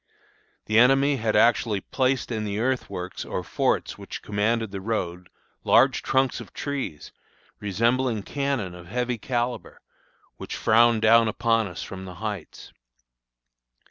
The enemy had actually placed in the earthworks or forts which commanded the road, large trunks of trees, resembling cannon of heavy calibre, which frowned down upon us from the heights.